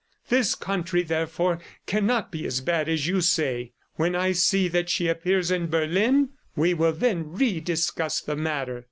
This country, therefore, cannot be as bad as you say. ... When I see that she appears in Berlin, we will then re discuss the matter."